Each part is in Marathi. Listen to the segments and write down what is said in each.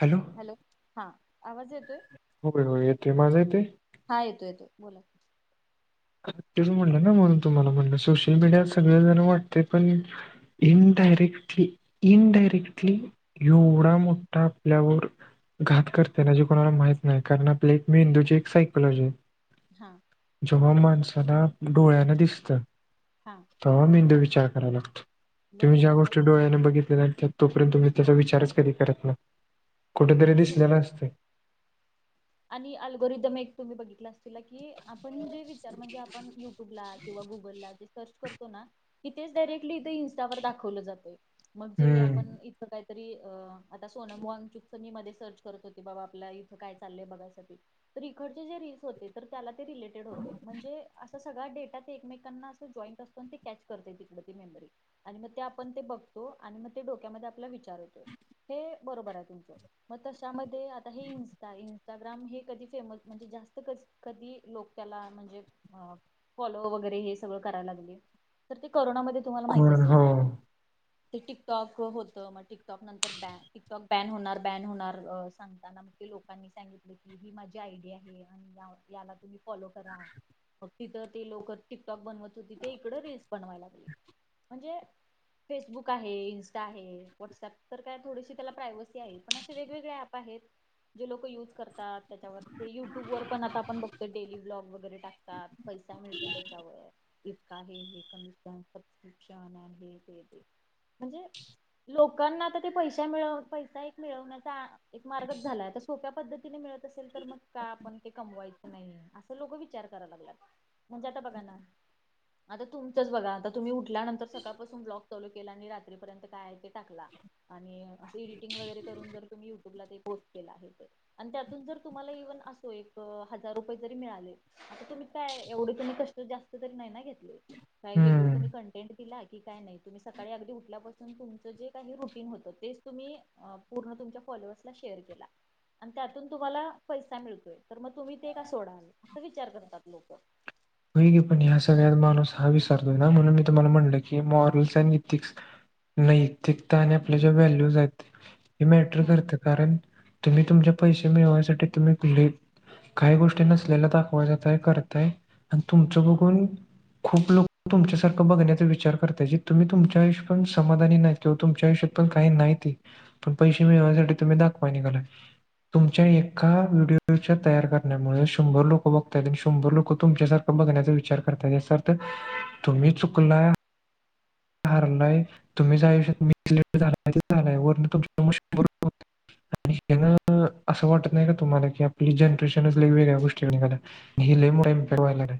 हॅलो हॅलो हा आवाज येतोय होय येतोय माझा येतोय हा येतो येतो बोला तेच म्हणलं ना म्हणून तुम्हाला म्हणलं सोशल मीडियावर सगळ जरा वाटतय पण इनडायरेक्टली इनडायरेक्टली एवढा मोठा आपल्यावर घात करते ना जे कोणाला माहित नाही कारण आपल्या एक मेंदूची एक सायकोलॉजी आहे हा तेंव्हा माणसाला डोळ्यान दिसतं हा तवा मेंदू विचार कराय लागतो तुम्ही बरोबर ज्या आहे गोष्टी बर डोळ्यान बघितल्या आहेत त्या तोपर्यंत तुम्ही त्याचा विचारच कधी करत नाही कुठतरी दिसलेल असतय आणि अल्गोरिदम एक तुम्ही बघितला असशिला की आपण जे विचार म्हणजे आपण युट्यूबला किंवा गुगलला जे सर्च करतो ना की तेच डायरेक्टली इथं इन्स्टावर दाखवलंय जातंय मग जे हम्म आपण इथं काय तरी आता सोनम वांगचुकच मी मध्ये सर्च करत होते बाबा आपल्या इथं काय चाललंय बघायसाठी तर इकडचे जे रिल्स होते तर त्याला ते रिलेटेड होते म्हणजे असा सगळा डेटा ते एकमेकांना अस जॉईंट अस पण ते कॅच करते तिकड ती मेमरी आणि म ते आपण ते बघतो आणि म ते डोक्यामध्ये आपला विचार येतोय हे बरोबर आहे तुमचं म तशामध्ये आता हे इंस्टाग्राम हे कधी फेमस म्हणजे जास्त क कधी लोक त्याला म्हणजे अ फॉलो वगैरे हे सगळ करायला लागली तर ते करोनामध्ये तुम्हाला माहित कोण असेल हो ते टिकटॉक होतं मग टिकटॉक नंतर बॅ टिकटॉक बॅन होणार बॅन होणार सांगताना लोकांनी सांगितलं की ही माझी आयडिया आहे आणि याला तुम्ही फॉलो करा मग तिथं ती लोक टिकटॉक बनवत होती ते इकड रील्स बनवाय लागली म्हणजे फेसबुक आहे इन्स्टा आहे व्हॉट्सॲप तर काय थोडीशी त्याला प्रायवसी आहे पण अशे वेगवेगळे ॲप आहेत जे लोक यूज करतात त्याच्यावर ते युट्यूबवरर पण आता आपण बघतोय डेली ब्लॉग वगैरे टाकतात पैसा मिळतो त्याच्यावर इतका हे हे कमिशन सबस्क्रिप्शन अन् हे हे ते ते म्हणजे लोकांना आता ते पैसा मिळ पैसा एक मिळवण्याचा एक मार्गच झालाय सोप्या पद्धतीने मिळत असेल तर मग का आपण ते कमवायच नाही असं लोकं विचार करा लागल्यात म्हणजे आता बघा ना आता तुमचंच बघा आता तुम्ही उठल्यानंतर सकाळपासून ब्लॉक चालू केला आणि रात्रीपर्यंत काय आहे ते टाकला आणि असं एडिटिंग वगैरे करून जर तुम्ही युट्यूबला ते पोस्ट केला हे आणि त्यातून जर तुम्हाला इव्हन असो एक हजार रुपये जरी मिळाले आता तुम्ही काय एवढे तुम्ही कष्ट जास्त त नाही ना घेतले काही वेगळे हम्म तुम्ही कं [unintelligible] लगि काय नय तुम्ही सकाळी अगदी उठल्यापासून तुमचं जे काही रुटीन होतं तेच तुम्ही पूर्ण तुमच्या फॉलोअर्सला शेअर केला. आणि त्यातून तुम्हाला पैसा मिळतोय तर मग तुम्ही ते का सोडाल असं विचार करतात लोक. होय की पण ह्या सगळ्यात माणूस हा विसरतोय ना म्हणून मी तुम्हाला म्हटलं की मॉरल्स अनि इथिक्स नैतिकता आणि आपल्या ज्या व्हॅल्यूज आहेत हे मॅटर करत्यात. कारण तुम्ही तुमचे पैसे मिळवण्यासाठी तुम्ही [inaudible] काही गोष्टी नसलेला दाखवयाच्या करताय आणि तुमचं बघून खूप लोक तुमच्यासारखं बघण्याचा विचार करतय जे तुम्ही तुमच्या आयुष्यात पण समाधानी नाही ते्हा तुमच्या आयुष्यात पण काही नाही ती पण पैसे मिळण्यासाठी तुम्ही दाखवाय निघाला. तुमच्या एका व्हिडिओच्या तयार करण्यामुळे शंभर लोक बघतायत शंभर लोक तुमच्या [unintelligible] बघण्याचा विचार करता सथ तुम्ही चुकलाय हारलाय. [unintelligible] [unintelligible] असं वाटत नाही का तुम्हाला की आपली जनरेशनच लय वेगळ्या गोष्टी निघा हले्पक्ट व्हायला नाही.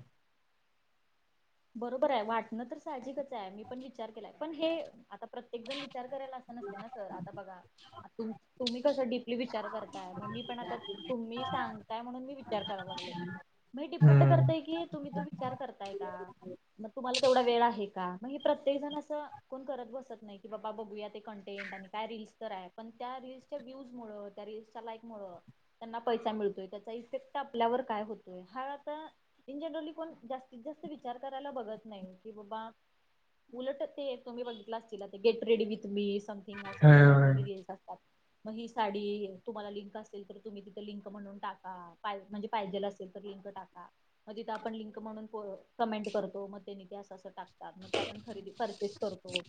बरोबर आहे वाटणं तर साहजिकच आहे मी पण विचार केलाय पण हे आता प्रत्येक जण विचार करायला. नसते ना सर आता बघा. तुम्ही कस डडीपली विचार करताय मग मी पण आता तुम्ही सांग त्यामुळं मी विचार कराला लागले मी डिपेंड हम्म करतेय की तुम्ही तो विचार करताय का मग तुम्हाला तेवढा वेळ आहे का मग प्रत्येक जण असं कोण करत बसत नाही की बाबा बघूया ते कंटेंट आणि काय रील्स तर आहे पण त्या रीलसच्या व्हीव्स मुळ त्या रिल्सच्या लाईक मुळं त्यांना पैसा मिळतोय त्याचा इफेक्ट आपल्यावर काय होतोय हा आता इन जनरली कोण जास्तीत जास्त विचार करायला बघत नाही की बाबा उलट ते तुम्ही बघितलं अस तिला ते get ready with me something असं होय असग होय काहीतरी रिल्स असतात. मग ही साडी तुम्हाला लिंक असेल तर तुम्ही तिथं लिंक म्हणून टाका म्हणजे पाहिजेल असेल लिंक टाका मग तीथ आपण लिंक म्हणून कमेंट करतो मग ते असं असं टाकतात मग ते आपण खरेदी परचेस करतो.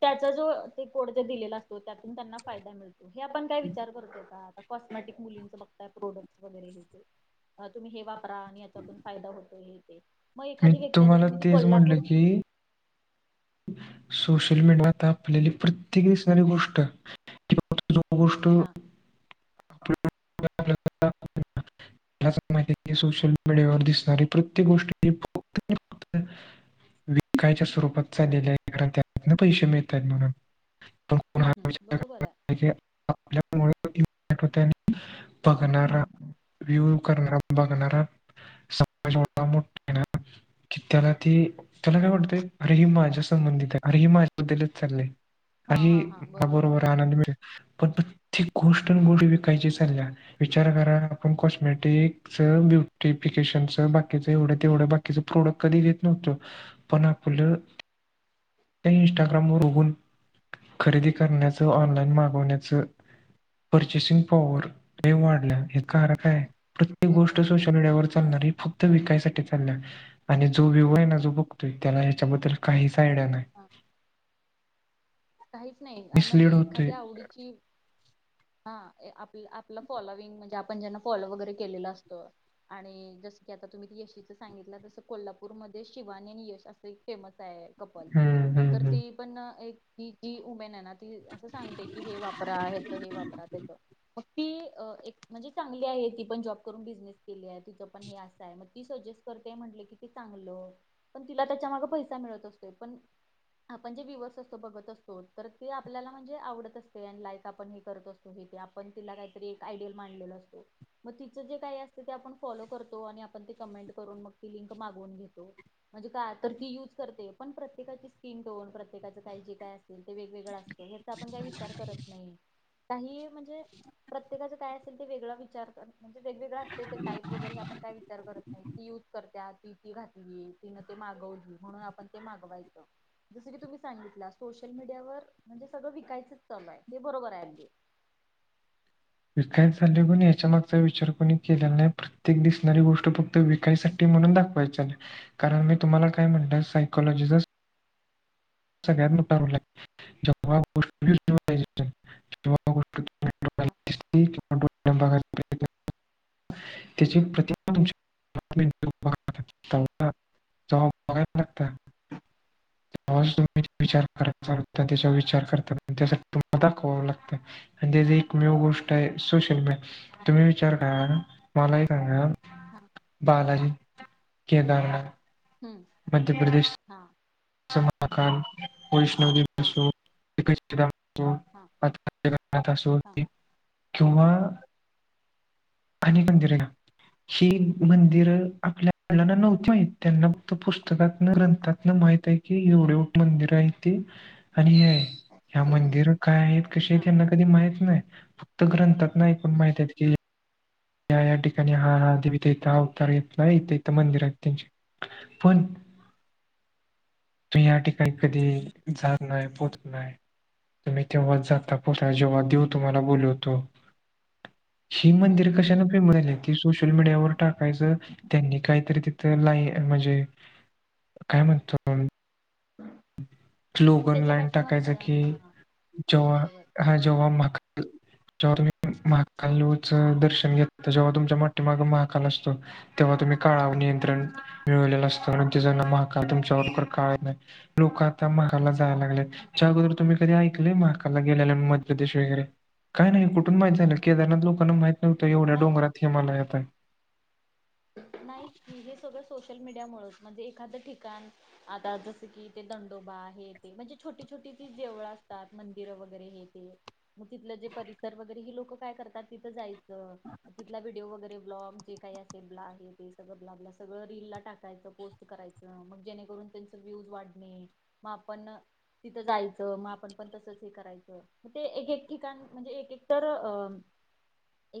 त्याचा जो ते कोड ज दिलेला असतो त्यातून त्यांना फायदा मिळतो हे आपण काय विचार करतो का. कॉस्मॅटिक मुलींचं बघताय प्रोडक्ट् वगैरे हे ते तुम्ही हे वापरा आणि याच्यातून फायदा होतो हे ते मग मी एखादी व्यक्ती आता तुम्हाला तुम्ही ती तेच कोल्हापूर म्हणलं की सोशल मीडिया आपल्याली प्रत्येक दिसणारी गोष्ट [unintelligible] गोष्ट हा [unintelligible] मला माहिती की सोशल मीडियावर दिसणारी प्रत्येक गोष्टी फक्त विकायच्या आहे कारण त्यातन पैसे मिळत आहेत म्हणून पण कोण हा हम् हम् विचार बरोबर करत आहे. [unintelligible] बघणारा व्ह्यू करणार बघणारा [unintelligible] की त्याला ते त्याला काय वाटतंय हर माझ्या संबंधित आहे हे माझ्याबद्दलच चाललंय. हा हा हा बरोबर आहे [unintelligible] विचार करा आपण कॉस्मेटिक ब्युटिफिकेशन च तेवढं बाकीच प्रोडक्ट कधी घेत नव्हतं. पणाकुलं त्या इन्स्टाग्राम वर बघून खरेदी करण्याचं ऑनलाइन मागवण्याचं परचेसिंग पॉवर वाढल्या हे प्रत्येक बरोबर गोष्ट आहे. मीडीयावर चालणारी फक्त विकायसाटी चालल्या जो विवो आहे ना जो बघतोय त्याला ह्याच्याबद्दल काहीच आयडिया नाही हा काहीच नाही मिसलीड म्हणजे होतोय एखाद्या आवडीची हा आप आपलं फॉलोविंग म्हणजे आपण ज्यांना फॉलो वगैरे केलेलो असतो आणि जस की आता तुम्ही यशीच सांगितला तसं कोल्हापूरमध्ये शिवानी आणि यश असं एक फेमस हाय कपल हम्म हम्म तर हम्म ती पण एक ती जी उमेन आहे ना ती असं सांगते की हे वापरा ह्याच हे वापर वापरात येत मग ती एक म्हणजे चांगली आहे ती पण जॉब करून बिझनेस केल्या तिचं पण हे अस आहे म ती सजेस्ट करते आहे म्हणलं की ते चांगलं पण तिला त्याच्या माग पैसा मिळत असतोय पण आपण जे व्हीवर्स असतो बघत असतो तर ते आपल्याला म्हणजे आवडत असते अँड लाईक आपण हे करत असतो हे ते आपण तिला काहीतरी एक आयडियल मानलेला असतो म तिचं जे काही असत ते आपण फॉलो करतो आणि आपण ते कमेंट करून मग ती लिंक मागवून घेतो म्हणजे का तर ती युज करते पण प्रत्येकाची स्किन टोन प्रत्येकाचं काही जे काय असेल ते वेगवेगळं असत हेचा आपण काय विचार करत नाही काही म्हणजे प्रत्येकाचं काय असेल ते वेगळं विचार कर म्हणजे वेगवेगळं असते ते टाईप वगैरे हे आपण काय विचार करत नाही ती युज करत्या ती ती घातली तीन ते मागवली म्हणून ते मागवायचं जसं की तुम्ही सांगितला सोशल मीडियावर म्हणजे सगळं विकायचंच चालू आहे ते बरोबर आहे अगदी विकायचं चाललाय पण याच्यामागचा विचार कोणी केलेला नाही प्रत्येक दिसणारी गोष्ट फक्त विकायसाठी म्हणून दाखवायची कारण मी तुम्हाला काय म्हणलं सायकोलॉजीचा सगळ्यात मोठा रोल आहे हा [unintelligible] [unintelligible] [unintelligible] [unintelligible] [unintelligible] आणि त्याची एकमेव गोष्ट आहे सोशल मीडिया तुम्ही विचार करा ना मला एक सांगा हां बालाजी केदारनाथ हू मध्य प्रदेश हा महाकाल वैष्णोदेवी असो परशुराम असो हां [unintelligible] किंवा फणी मंदिरये ना ही मंदिर आपल्याला नव्हती होय त्यांना फक्त पुस्तकातन ग्रंथातन माहीत की एवढी एवढी मंदिर हायती आणि हे ह्या मंदिर काय आहेत कशी आहेत हा यांना कधी माहीत नाही फक्त ग्रंथातन पण हम्म माहितीयेत या या ठिकाणी हा हा देवी इथं हा अवतार घेतलाय इथ इथं मंदिर आहेत त्यांचे पण तू या ठिकाणी कधी झाड नाही पोत नाही तुम्ही तेव्हाच जाता हम्म जेव्हा देव तुम्हाला बोलवतो ही मंदिर हम्म बरोबर कशानं फेमू राहिल्याती सोशल मीडियावर टाकायचं त्यांनी काहीतरी तिथ लाई म्हणजे. काय म्हणतो, आप. स्लोगन त्याच्या लाईन पाठीमाग टाकायच हा की हा, जेव्हा. बरोबर हा जेव्हा माकद की. जेव्हा तुम्ही महाकालचं दर्शन घेता जेव्हा तुमच्या पाठीमागे महाकाल असतो. [unintelligible] लोक आता महाकाल ला जायला लागले याच्या अगोदर तुम्ही कधी ऐकले महाकाल ला गेलेल्या मध्यप्रदेश वगैरे काही नाही कुठून माहिती झालं. केदारनाथ लोकांना माहिती न्हवत, एवढ्या नाही डोंगरात हिमालयात आहे. नाही हे सगळं सोशल मीडियामुळे म्हणजे एखादं ठिकाण. आता जस कि ते दंडोबा आहे ते, म्हणजे छोटी छोटी ती जेवळं असतात मंदिरं वगैरे हे ते. मग तिथलं जे परिसर वगैरे हे लोक काय करतात तिथं जायचं. तिथला व्हिडिओ किंवा ब्लॉग जे काही असेल. ते ब्ला हे ते, ब्ला ब्ला ब्ला. सगळं रील ला टाकायचं, पोस्ट करायचं. मग जेणेकरून त्यांच व्ह्यूज वाढणे मग आपण. तिथं जायचं मग आपण पण तसंच हे करायचं मग ते एकेक ठिकाण म्हणजे एक एक तर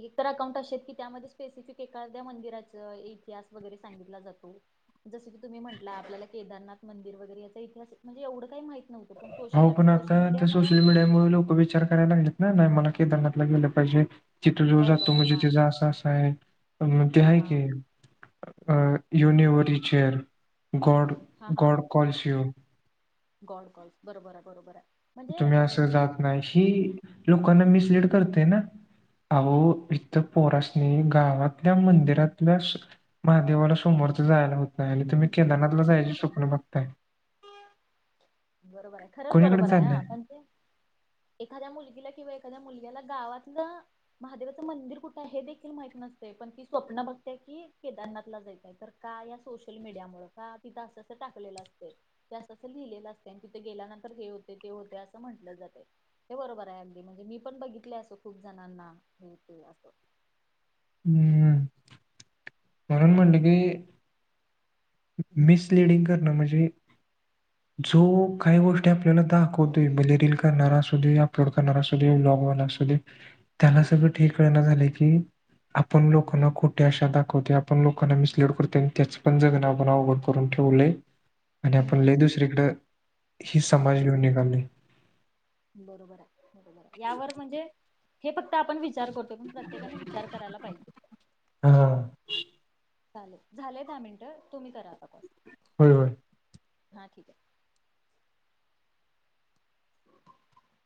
एकतर अकाउंट असेेत की त्यामध्ये स्पेसिफिक एका. त्या मंदिराचा वगैरे इतिहास सांगितला जातो. जसं की तुम्ही म्हटला आपल्याला केदारनाथ मंदिर वगैरे याचा इतिहास म्हणजे एवढं काही माहित नव्हतं पण हो सोशल पण सोशल आता त्या मीडियामुळ सोशल मीडिया मुळ लोक विचार कराय लागले तना नाही मला केदारनाथला गेलं पाहिजे. तिथ जीव बरोबर जातो आहे म्हणजे हा त्याज आस आस आहे ते आहे हा की. युनिवर्हचेर गॉड हा हा हा गॉड कॉल्सिओ गॉड कॉल्फ बरोबर आहे बरोबर आहे. म्हणजे तुम्ही अ, असं जात नाही हि लोकांना मिसलीड करत ना अहो इथ पोरासनी गावातल्या मंदिरातल्या. महादेवाला सोमवारच जायला होत नाही आणि तुम्ही हं, बरोबर केदारनाथला आहे जायचे बरोबर स्वप्न बघताय. बरोबर आहे खरंच कोणीकडे बरोबर आहे हा चाललंय पण ते एखाद्या मुलगीला किंवा एखाद्या मुलग्याला गावातलं. महादेवाचं मंदिर कुठं आहे हे देखील माहित नसत पण ती स्वप्न बघते की केदारनाथला जायचय तर. काया सोशल मीडिया मूळ कातर तिथं असं अस टाकलेलं असते ते असंं लिहिलेलं असत त्यांन तिथे गेल्यानंतर हे होते ते होते असं म्हंटलं जातय हे बरोबर आहे अगदी म्हणजे मी पण बघितले अस खूप जणांना हे ते अस. हम्म, म्हणून म्हणलं की मिसलिडिंग करणं म्हणजे जो काही गोष्ट आपल्याला दाखवतोय मग रिल करणारा असुदे अपलोड करणारा असुदे ब्लॉगवाला असुदे. त्याला सगळं ठीक हे कळना झाले की. आपण लोकांना खोट्या आशा दाखवतो आपण लोकांना मिसलीड करतो आणि त्याच पण जगण. अवघड करून ठेवल आणि हम्म आपण हम्म लय हम्म. दुसरीकडे हे समाज घेऊन निघालोय बरोबर आहे बरोबर आहे यावर म्हणजे. हे फक्त आपण विचार करतो पण प्रत्येकाने विचार करायला पाहिजे. हां. चालेल झालेय दहा मिनटं तुम्ही करा आता कॉल. होय होय. हां ठीक आहे.